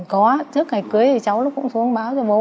có trước ngày cưới thì cháu nó cũng xuống báo cho bố